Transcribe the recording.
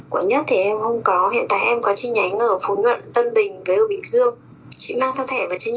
quận nhất thì có người hỗ trợ nhà tài trang ở quận nhất